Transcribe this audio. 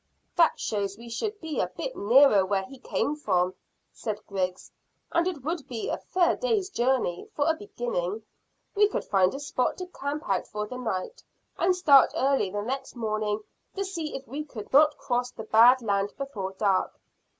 "That shows we should be a bit nearer where he came from," said Griggs, "and it would be a fair day's journey for a beginning. We could find a spot to camp out for the night, and start early the next morning to see if we could not cross the bad land before dark."